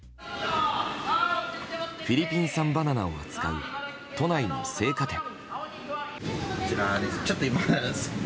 フィリピン産バナナを扱う都内の青果店。